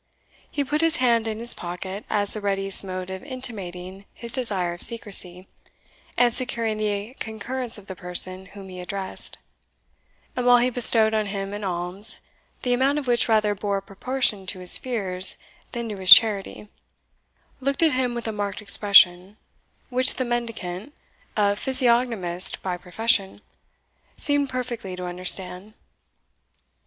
He put his hand in his pocket as the readiest mode of intimating his desire of secrecy, and securing the concurrence of the person whom he addressed; and while he bestowed on him an alms, the amount of which rather bore proportion to his fears than to his charity, looked at him with a marked expression, which the mendicant, a physiognomist by profession, seemed perfectly to understand.